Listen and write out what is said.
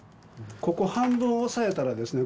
ここ半分押さえたらですね